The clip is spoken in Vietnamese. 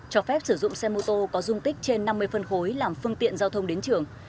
cho phép sử dụng xe mô tô có dung tích trên năm mươi phân khối làm phương tiện giao thông đến trường